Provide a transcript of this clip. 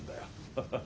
ハハハハ。